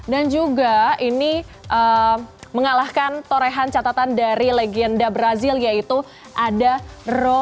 dan juga ini mengalahkan torehan catatan dari legenda brazil yaitu ada roelof